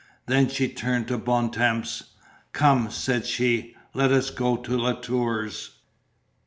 Then she turned to Bontemps. "Come," said she, "let us go to Latour's."